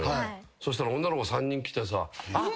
そしたら女の子３人来てさ。